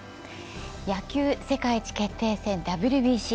野球世界一決定戦ＷＢＣ。